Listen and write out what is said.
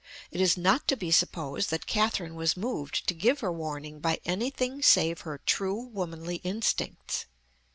It is not to be supposed that Catherine was moved to give her warning by anything save her true womanly instincts.